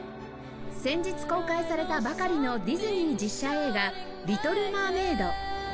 先日公開されたばかりのディズニー実写映画『リトル・マーメイド』